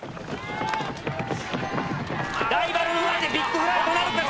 ライバルの前でビッグフライトなるか？